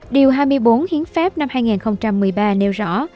điều hai mươi bốn hiến pháp năm hai nghìn một mươi ba nêu rõ